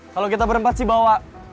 kalau kita berempat sih bawa